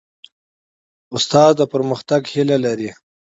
استاد د پرمختګ هیله لري.